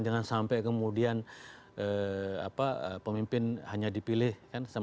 jangan sampai kemudian pemimpin hanya dipilih